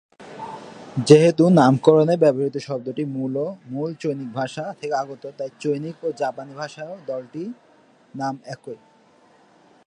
যেহেতু নামকরণের ব্যবহৃত শব্দটির মূল চৈনিক ভাষা থেকে আগত, তাই চৈনিক ও জাপানি ভাষায়ও দলটির নাম একই।